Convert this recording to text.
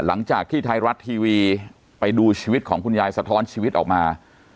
หลังจากที่ไทยรัฐทีวีไปดูชีวิตของคุณยายสะท้อนชีวิตออกมา